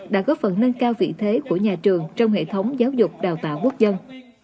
đã góp phần nâng cao vị thế của nhà trường trong hệ thống giáo dục đào tạo quốc dân